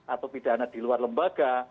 atau pidana di luar lembaga